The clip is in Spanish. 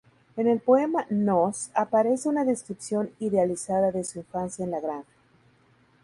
En el poema "Nós" aparece una descripción idealizada de su infancia en la granja.